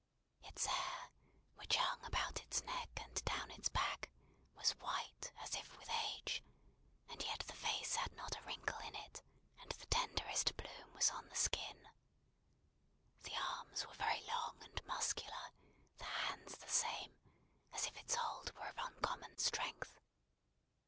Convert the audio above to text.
Its hair, which hung about its neck and down its back, was white as if with age; and yet the face had not a wrinkle in it, and the tenderest bloom was on the skin. The arms were very long and muscular; the hands the same, as if its hold were of uncommon strength.